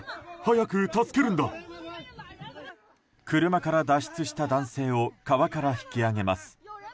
車から脱出した男性を川から引き上げます。